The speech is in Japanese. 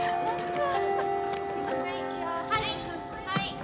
はい！